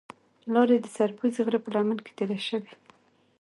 لار یې د سر پوزې غره په لمن کې تېره شوې.